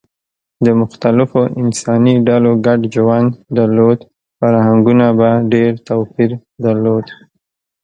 که مختلفو انساني ډلو ګډ ژوند درلود، فرهنګونو به ډېر توپیر درلود.